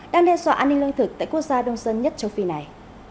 đang đe dọa an ninh lương thực tại quốc gia đông dân nhất châu phi này